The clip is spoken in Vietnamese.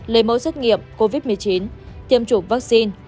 lấy mẫu xét nghiệm covid một mươi chín tiêm chủng vaccine